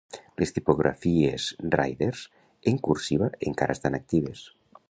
"Les tipografies Riders en cursiva encara estan actives.